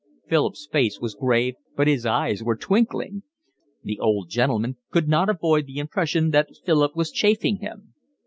Philip's face was grave, but his eyes were twinkling. The old gentleman could not avoid the impression that Philip was chaffing him.